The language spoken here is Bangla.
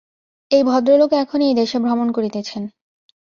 এই ভদ্রলোক এখন এই দেশে ভ্রমণ করিতেছেন।